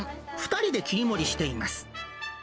２人で切り盛りしています。